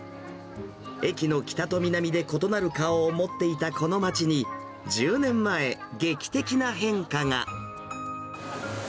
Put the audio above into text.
駅の北と南で異なる顔を持っていたこの街に、１０年前、劇的な変化が。